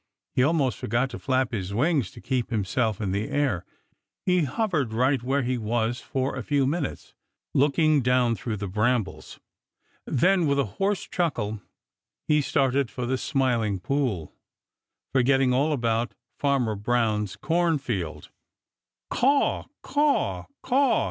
He almost forgot to flap his wings to keep himself in the air. He hovered right where he was for a few minutes, looking down through the brambles. Then with a hoarse chuckle, he started for the Smiling Pool, forgetting all about Farmer Brown's cornfield. "Caw, caw, caw!"